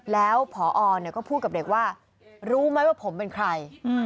แล้วพอก็พูดกับเด็กว่ารู้ไหมว่าผมเป็นใคร